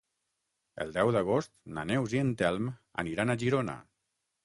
El deu d'agost na Neus i en Telm aniran a Girona.